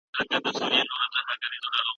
د څيړني موضوع باید په دقت وټاکل سي.